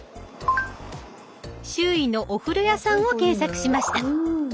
周囲のお風呂屋さんを検索しました。